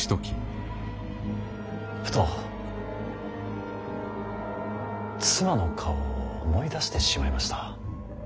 ふと妻の顔を思い出してしまいました。